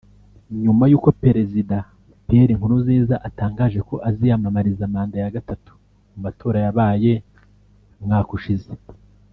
nyuma y’uko Perezida Pierre Nkurunziza atangaje ko aziyamamariza manda ya gatatu mu matora yabaye umwaka ushize